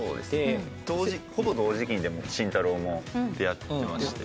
ほぼ同時期に進太郎も出会ってまして。